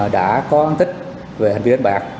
đã có án tích về hành vi đánh bạc